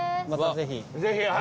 またぜひ。